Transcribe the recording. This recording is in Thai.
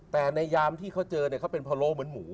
แต่ในยามที่เขาเจอเนี่ยเขาเป็นพะโล้เหมือนหมู